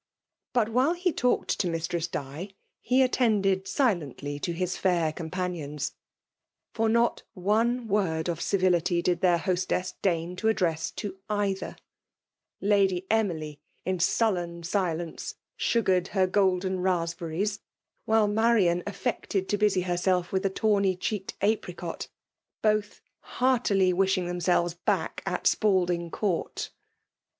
But, while he talked tQ Mistress Di, he attended silently to his fiuf companions ; for not one word of civility did their hostess deign to address to either. Lady Emily in sullen silence sugared her gpld^a FEMALE DOlKlNATlbN. t265 xaa^bcrrlcs, wliile Marian affected to busy lietself with a tawny cheelccd apricot; both heartily wishing themselves back at Spalding Cotirt.'